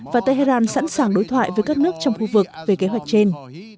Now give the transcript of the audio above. và tehran sẵn sàng đối thoại với các nước trong khu vực về kế hoạch trên